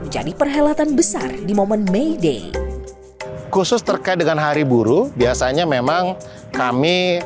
jadi perhelatan besar dimomen may day khusus terkait dengan hari buruh biasanya memang kami